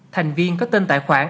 thành viên có tên tài khoản